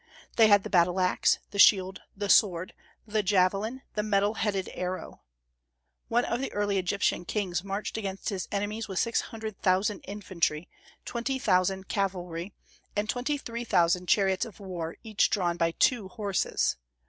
They had the battle axe, the shield, the sword, the javelin, the metal headed arrow. One of the early Egyptian kings marched against his enemies with six hundred thousand infantry, twenty thousand cavalry, and twenty three thousand chariots of war, each drawn by two horses.